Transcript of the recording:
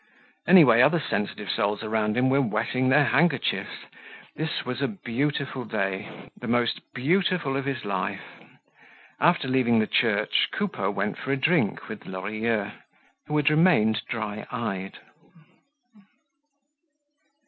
Anyway, other sensitive souls around him were wetting their handkerchiefs. This was a beautiful day, the most beautiful of his life. After leaving the church, Coupeau went for a drink with Lorilleux, who had remained dry eyed.